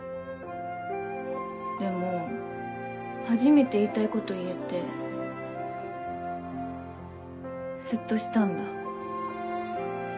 でも初めて言いたいこと言えてスッとしたんだ。